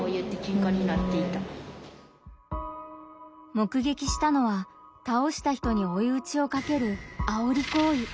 目撃したのは倒した人においうちをかける「あおり行為」。